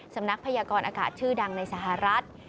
พยากรอากาศชื่อดังในสหรัฐ